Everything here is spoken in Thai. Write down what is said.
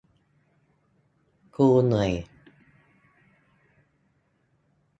กูเหนื่อย